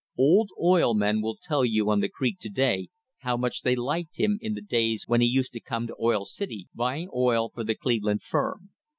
Old oil men will tell you on the creek to day how much they liked him in the days when he used to come to Oil City buying oil for the Cleveland firm.